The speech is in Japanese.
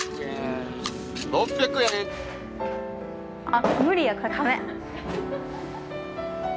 あっ無理やこれかめん。